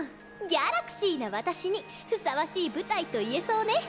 ギャラクシーな私にふさわしい舞台と言えそうね。